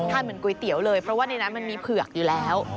เหมือนก๋วยเตี๋ยวเลยเพราะว่าในนั้นมันมีเผือกอยู่แล้ว